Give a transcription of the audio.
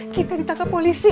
kita ditangkap polisi